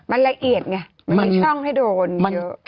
มันละเอียดไงมันมีช่องให้โดนเยอะ